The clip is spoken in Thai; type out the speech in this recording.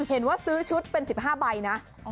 เห็นว่าซื้อชุดเป็น๑๕ใบนะ